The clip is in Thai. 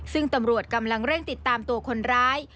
ซึ่งตำรวจกำลังเร่งติดตามตัวคนร้าย